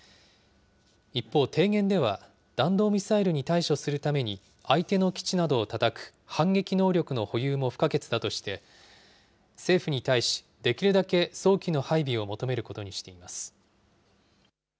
一方、提言では弾道ミサイルに対処するために、相手の基地などをたたく反撃能力の保有も不可欠だとして、政府に対し、できるだけ早期の配備を求めることにしています。